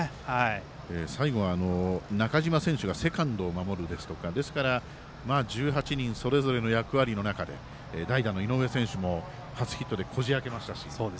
最後は、中嶋選手がセカンドを守るとかですとかですから、１８人それぞれの役割の中で代打の井上選手も初ヒットでこじ開けましたし。